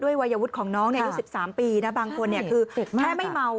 ด้วยวัยวุฒิของน้องอยู่๑๓ปีบางคนแทบไม่เมา